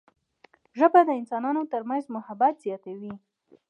ژبه د انسانانو ترمنځ محبت زیاتوي